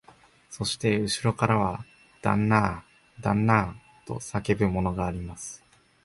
そしてうしろからは、旦那あ、旦那あ、と叫ぶものがあります